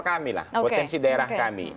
kami lah potensi daerah kami